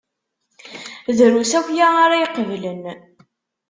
Drus akya ara iqeblen.